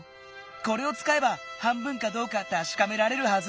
これをつかえば半分かどうかたしかめられるはず！